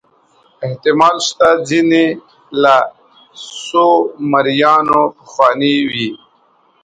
احتمال شته چې ځینې له سومریانو پخواني وي.